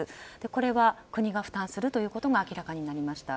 これは国が負担するということが明らかになりました。